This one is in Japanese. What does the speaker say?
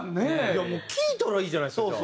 いやもう聞いたらいいじゃないですか